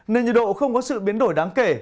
nên nhiệt độ không có sự biến đổi đáng kể